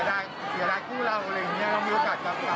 เราสำหรับคนก็ยังไม่ได้เห็นความฝันกันกว่ามันเกี่ยวกัน